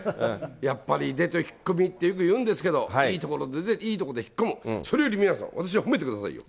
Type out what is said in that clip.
やっぱりでとひっこみというんですけど、いいところで出て、いいところで引っ込む、それよりも宮根さん、私を褒めてくださいよ。